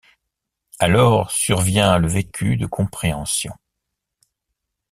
Alors survient le vécu de compréhension.